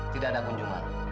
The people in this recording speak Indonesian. tidak ada kunjungan